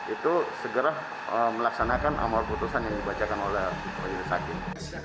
itu segera melaksanakan amal putusan yang dibacakan oleh pak juri sakit